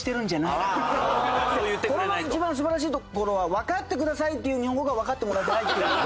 これの一番素晴らしいところは「わかってください」っていう日本語がわかってもらえてないっていう。